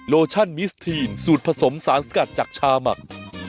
โลชั่นมิสทีนสูตรผสมสารสกัดจากชาหมัก